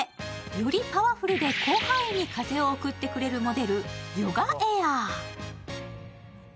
よりパワフルで広範囲に風を送ってくれるモデル、ヨガエアー。